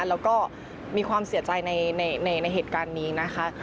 แล้วก็มีความเสียใจในเหตุการณ์นี้นะคะ